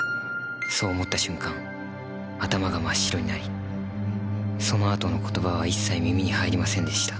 そう思った瞬間頭が真っ白になりそのあとの言葉は一切耳に入りませんでした。